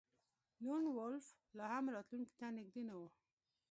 لون وولف لاهم راتلونکي ته نږدې نه و